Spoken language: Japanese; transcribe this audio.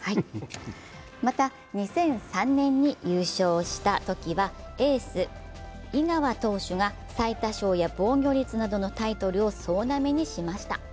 また、２００３年に優勝したときはエース・井川投手が最多勝や防御率などのタイトルを総なめにしました。